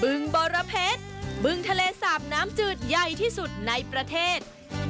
ึงบรเพชรบึงทะเลสาบน้ำจืดใหญ่ที่สุดในประเทศ